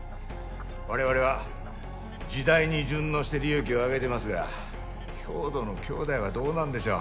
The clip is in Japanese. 我々は時代に順応して利益を上げてますが豹堂の兄弟はどうなんでしょう。